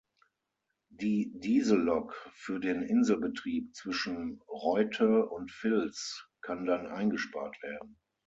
Die Diesellok für den Inselbetrieb zwischen Reutte und Vils kann dann eingespart werden.